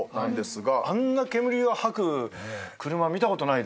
あんな煙を吐く車見たことない。